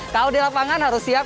kalau di lapangan harus siap